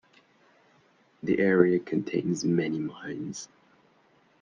The area contains many mines.